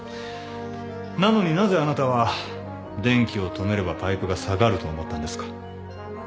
なのになぜあなたは電気を止めればパイプが下がると思ったんですか？